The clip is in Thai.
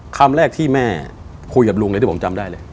คำแรกที่แม่คุยกับลุงเลยที่ผมจำได้เลย